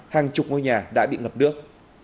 hàng chục ngôi nhà đã bị ngập nước